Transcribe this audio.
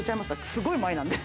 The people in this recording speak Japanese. すごい前なんで。